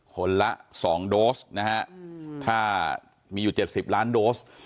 คนละสองโดสนะฮะถ้ามีอยู่เจ็ดสิบล้านโดส